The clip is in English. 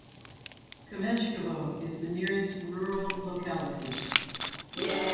Kameshkovo is the nearest rural locality.